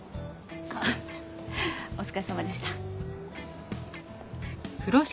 あっお疲れさまでした。